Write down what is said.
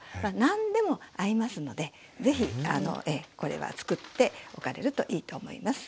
何でも合いますので是非これは作っておかれるといいと思います。